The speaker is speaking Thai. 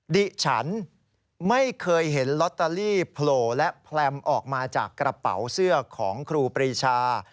ดิฉันไม่เคยเห็นลอตเตอรี่โผล่และแพลมออกมาจากกระเป๋าเสื้อของครูปรีชา